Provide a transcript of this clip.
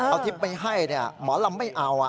เอาทริปไปให้หมอลำไม่เอา